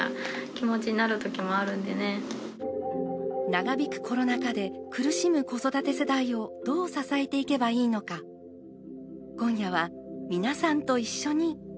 長引くコロナ禍で苦しむ子育て世代をどう支えていけばいいのか今夜は皆さんと一緒に考えます。